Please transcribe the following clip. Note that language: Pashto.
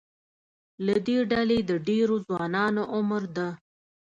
له دې ډلې د ډېرو ځوانانو عمر د